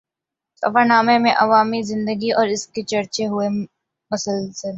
سفر نامے میں عوامی زندگی اور اُس سے جڑے ہوئے مسائل